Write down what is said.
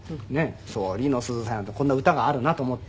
「橇の鈴さえ」なんてこんな歌があるなと思って。